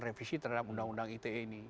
revisi terhadap undang undang ite ini